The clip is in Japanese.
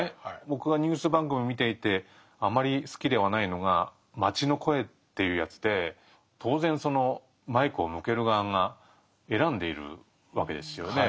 僕がニュース番組を見ていてあまり好きではないのが「街の声」っていうやつで当然そのマイクを向ける側が選んでいるわけですよね。